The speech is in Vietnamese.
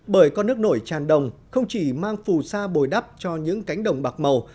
bởi con nước nổi tràn đồng không chỉ mang phù sa bồi đắp cho những cánh đồng bạc màu